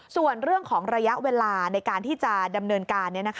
ส่วนเรื่องของระยะเวลาในการที่จะดำเนินการ